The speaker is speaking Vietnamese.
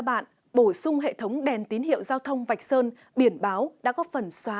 bổ sung hệ thống đèn tín hiệu giao thông vạch sơn biển báo đã có phần xóa